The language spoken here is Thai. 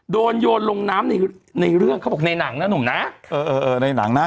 โยนลงน้ำในในเรื่องเขาบอกในหนังนะหนุ่มนะเออเออในหนังนะ